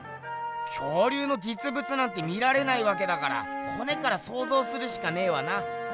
恐竜のじつぶつなんて見られないわけだからほねからそうぞうするしかねえわな。